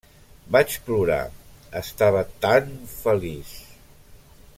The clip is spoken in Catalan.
Vaig plorar, estava tan feliç.